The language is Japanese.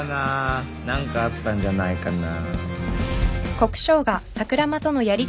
何かあったんじゃないかな？